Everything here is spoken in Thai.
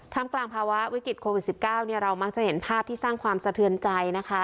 กลางภาวะวิกฤตโควิด๑๙เรามักจะเห็นภาพที่สร้างความสะเทือนใจนะคะ